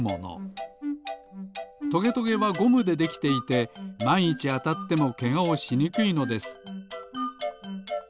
トゲトゲはゴムでできていてまんいちあたってもけがをしにくいのです。